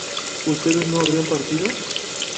¿Ustedes no habrían partido?